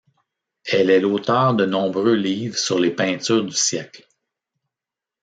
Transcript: Elle est l'auteur de nombreux livres sur les peintures du siècle.